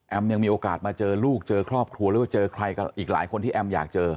ยังมีโอกาสมาเจอลูกเจอครอบครัวหรือว่าเจอใครกับอีกหลายคนที่แอมอยากเจอ